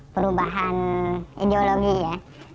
perubahan ideologi ya